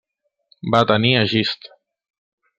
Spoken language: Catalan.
Va tenir Egist.